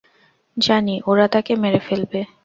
জানি, ওরা তাকে মেরে ফেলবে।